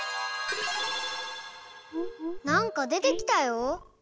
なんかでてきたよ。